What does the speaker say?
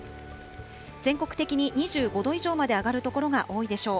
全国的に２５度以上まで上がる所が多いでしょう。